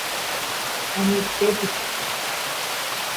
Añetépiko